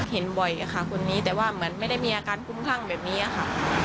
เห็นบ่อยค่ะคนนี้แต่ว่าเหมือนไม่ได้มีอาการคุ้มคลั่งแบบนี้ค่ะ